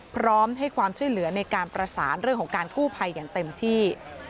พร้อมให้ความช่วยเหลือในการประสานเรื่องของการกู้ภัยอย่างเต็มที่